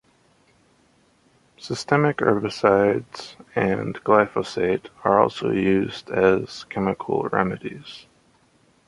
Systemic herbicides and glyphosate are also used as chemical remedies.